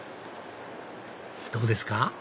どうですか？